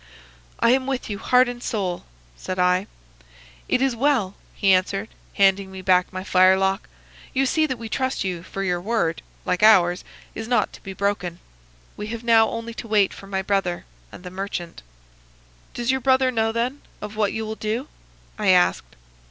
"'I am with you heart and soul,' said I. "'It is well,' he answered, handing me back my firelock. 'You see that we trust you, for your word, like ours, is not to be broken. We have now only to wait for my brother and the merchant.' "'Does your brother know, then, of what you will do?' I asked.